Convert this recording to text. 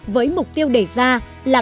với mục tiêu đề ra là